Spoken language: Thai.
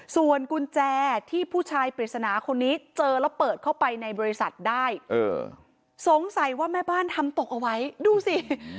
ส่วนกุญแจที่ผู้ชายปริศนาคนนี้เจอแล้วเปิดเข้าไปในบริษัทได้สงสัยว่าแม่บ้านทำตกเอาไว้ดูสิ